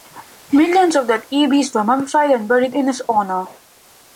Millions of dead ibis were mummified and buried in his honour.